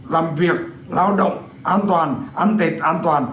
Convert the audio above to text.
làm việc lao động an toàn ăn tết an toàn